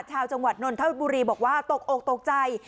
ชาวจังหวัดนนทบุรีบอกว่าตกอกตกใจ